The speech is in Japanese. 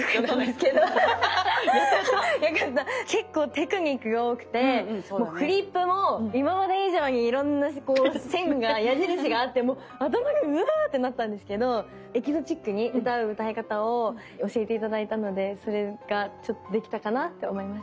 結構テクニックが多くてもうフリップも今まで以上にいろんな線が矢印があってもう頭がうわってなったんですけどエキゾチックに歌う歌い方を教えて頂いたのでそれがちょっとできたかなって思います。